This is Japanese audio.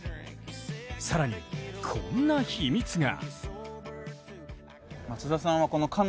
更に、こんな秘密が。